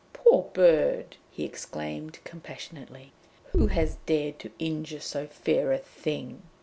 'Poor bird!' he exclaimed compassionately. 'Who has dared to injure so fair a thing?'